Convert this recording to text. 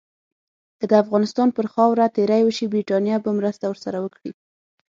که د افغانستان پر خاوره تیری وشي، برټانیه به مرسته ورسره وکړي.